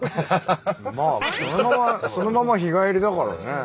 まあそのまま日帰りだからね。